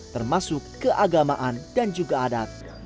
termasuk keagamaan dan juga adat